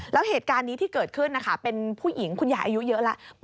แล้วเหตุการณ์นี้ที่เกิดขึ้นนะคะเป็นผู้หญิงคุณยายอายุเยอะแล้ว